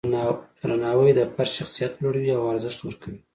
درناوی د فرد شخصیت لوړوي او ارزښت ورکوي.